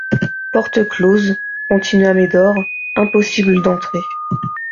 Porte close, continua Médor, impossible d'entrer.